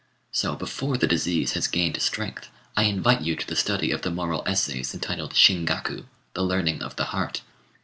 So, before the disease has gained strength, I invite you to the study of the moral essays entitled Shin gaku (the Learning of the Heart).